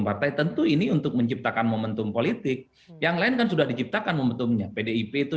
partai tentu ini untuk menciptakan momentum politik yang lain kan sudah diciptakan momentumnya pdip itu